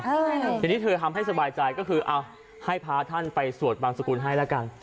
ทีนี้เธอทำให้สบายใจก็คือเอาให้พาท่านไปสวดบางสกุลให้แล้วกัน